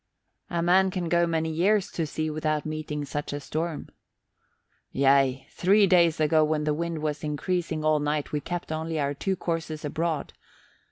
"A man can go many years to sea without meeting such a storm." "Yea! Three days ago when the wind was increasing all night we kept only our two courses abroad.